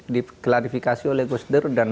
diklarifikasi oleh gus dur dan